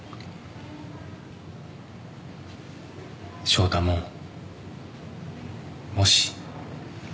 祥太ももし。